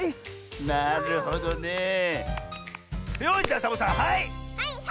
なるほどね。よし！